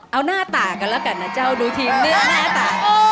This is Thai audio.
เอาหน้าตากันแล้วกันนะเจ้าดูทีมหน้าตา